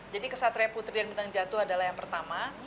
jadi ksatria putri dan bintang jatuh adalah yang pertama